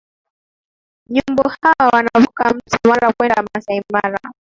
nyumbu hao wanavuka mto mara kwenda masai mara